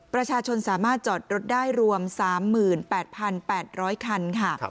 ประชาชนสามารถจอดรถได้รวม๓๘๘๐๐คันค่ะ